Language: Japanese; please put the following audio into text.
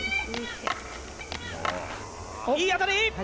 いい当たり！